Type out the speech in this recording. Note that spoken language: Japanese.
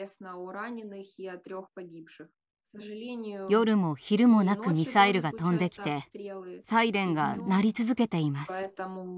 夜も昼もなくミサイルが飛んできてサイレンが鳴り続けています。